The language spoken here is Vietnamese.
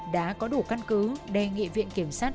đã có đủ căn cứ đề nghị viện kiểm sát